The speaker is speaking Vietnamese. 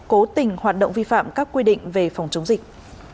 cố tình hoạt động vi phạm các quy định về phòng chống dịch